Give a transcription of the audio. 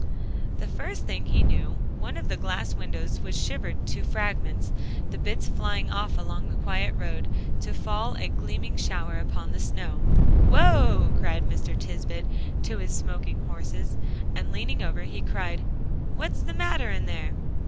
The first thing he knew, one of the glass windows was shivered to fragments; the bits flying off along the quiet road, to fall a gleaming shower upon the snow. "Whoa!" called Mr. Tisbett, to his smoking horses, and leaning over, he cried, "What's the matter in there?"